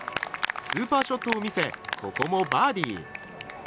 スーパーショットを見せここもバーディー。